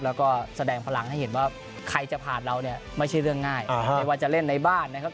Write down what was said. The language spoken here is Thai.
แล้วก็แสดงพลังให้เห็นว่าใครจะผ่านเราเนี่ยไม่ใช่เรื่องง่ายไม่ว่าจะเล่นในบ้านนะครับ